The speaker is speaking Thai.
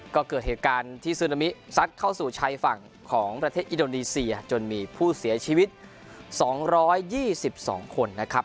ก็เกิดเหตุการณ์ที่ซึนามิซัดเข้าสู่ชายฝั่งของประเทศอินโดนีเซียจนมีผู้เสียชีวิต๒๒คนนะครับ